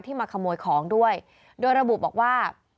มาขโมยของด้วยโดยระบุบอกว่า